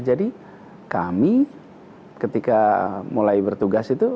jadi kami ketika mulai bertugas itu